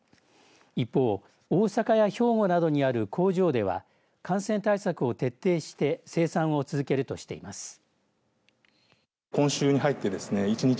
一方、大阪や兵庫などにある工場では感染対策を徹底して生産を続けるとしています。